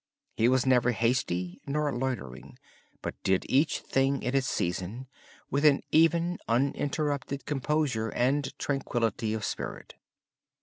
He was never hasty nor loitering, but did each thing in its season with an even uninterrupted composure and tranquillity of spirit.